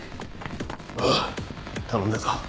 おう頼んだぞ。